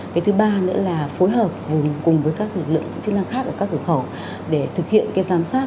cái thứ ba nữa là phối hợp cùng với các lực lượng chức năng khác ở các cửa khẩu để thực hiện cái giám sát